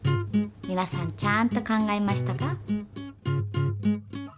皆さんちゃんと考えましたか？